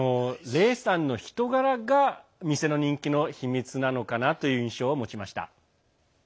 レイさんの人柄が店の人気の秘密なのかなという印象を持ちました。